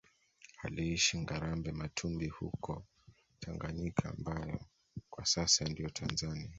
Aliishi Ngarambe Matumbi huko Tanganyika ambayo kwa sasa ndiyo Tanzania